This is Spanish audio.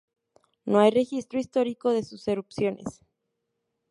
No hay registro histórico de sus erupciones.